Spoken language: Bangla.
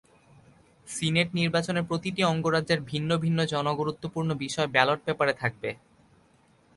সিনেট নির্বাচনে প্রতিটি অঙ্গরাজ্যের ভিন্ন ভিন্ন জনগুরুত্বপূর্ণ বিষয় ব্যালট পেপারে থাকবে।